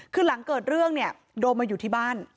คือหลังเกิดเรื่องเนี่ยโดมมาอยู่ที่บ้าน